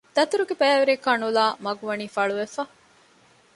ދަތުރުގެ ބައިވެރިޔަކާ ނުލައި މަގު ވަނީ ފަޅުވެފަ